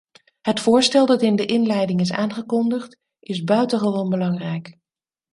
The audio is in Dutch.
Het voorstel dat in de inleiding is aangekondigd, is buitengewoon belangrijk.